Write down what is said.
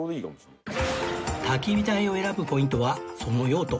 焚き火台を選ぶポイントはその用途